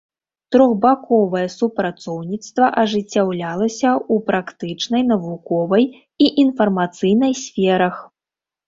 Трохбаковае супрацоўніцтва ажыццяўлялася у практычнай, навуковай і інфармацыйнай сферах.